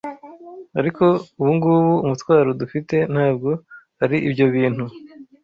Ariko ubungubu umutwaro dufite ntabwo ari ibyo bintu